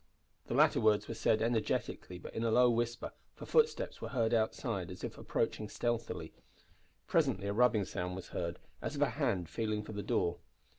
The latter words were said energetically, but in a low whisper, for footsteps were heard outside as if approaching stealthily. Presently a rubbing sound was heard, as of a hand feeling for the door.